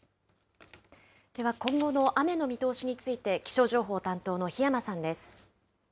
では今後の雨の見通しについて、気象情報担当の檜山さんです。